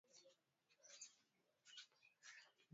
Kiwango cha kusababisha vifo hutegemea na chanzo cha tatizo